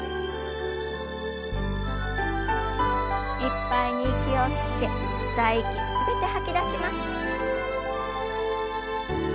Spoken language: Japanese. いっぱいに息を吸って吸った息全て吐き出します。